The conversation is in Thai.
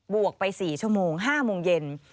วกไป๔ชั่วโมง๕โมงเย็น